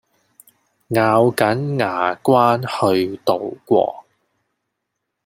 咬緊牙關去渡過